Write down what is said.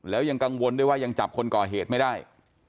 แล้วยังกังวลด้วยว่ายังจับคนก่อเหตุไม่ได้